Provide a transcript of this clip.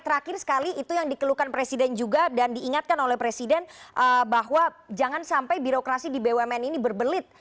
terakhir sekali itu yang dikeluhkan presiden juga dan diingatkan oleh presiden bahwa jangan sampai birokrasi di bumn ini berbelit